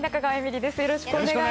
よろしくお願いします